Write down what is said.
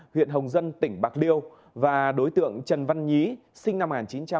huyện hồng dân tỉnh bạc liêu và đối tượng trần văn nhí sinh năm một nghìn chín trăm tám mươi